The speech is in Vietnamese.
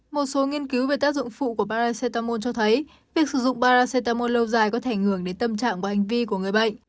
một số nghiên cứu về tác dụng phụ của paracetamol cho thấy việc sử dụng paracetamol lâu dài có thể ngưỡng đến tâm trạng và hành vi của người bệnh